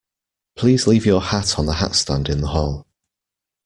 Please leave your hat on the hatstand in the hall